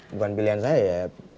bukan pilihan saya ya